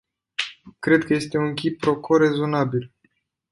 Cred că este un quid pro quo rezonabil.